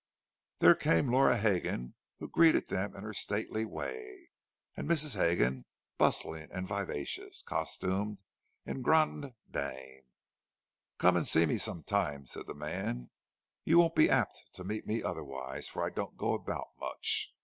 There came Laura Hegan, who greeted them in her stately way; and Mrs. Hegan, bustling and vivacious, costumed en grande dame. "Come and see me some time," said the man. "You won't be apt to meet me otherwise, for I don't go about much."